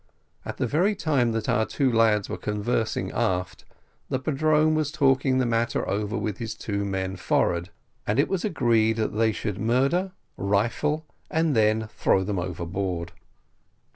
At the very time that our two lads were conversing aft, the padrone was talking the matter over with his two men forward, and it was agreed that they should murder, rifle, and then throw them overboard.